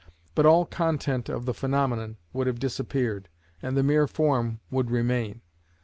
But all content of the phenomenon would have disappeared, and the mere form would remain.